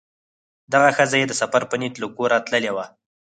دغه ښځه یې د سفر په نیت له کوره تللې وه.